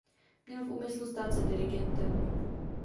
Měl v úmyslu stát se dirigentem.